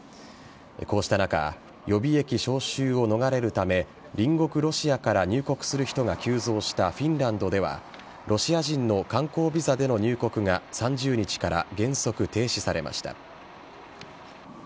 こうした中予備役招集を逃れるため隣国・ロシアから入国する人が急増したフィンランドではロシア人の観光ビザでの入国が３０日から原則停止されました。